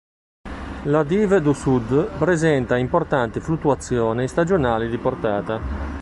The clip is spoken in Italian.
La Dive du Sud presenta importanti fluttuazioni stagionali di portata.